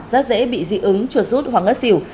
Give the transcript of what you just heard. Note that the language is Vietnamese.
rất dễ bị dị ứng chuột rút hoặc ngất xỉu